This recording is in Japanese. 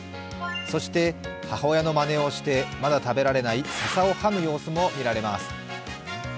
そして母親のまねをしてまだ食べられない笹をかむ様子も見られます。